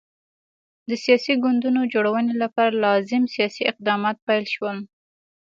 د سیاسي ګوندونو جوړونې لپاره لازم سیاسي اقدامات پیل شول.